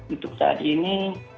untuk saat ini